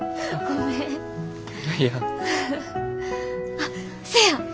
あっせや